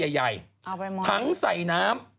เอาไปหมดถังใส่น้ำ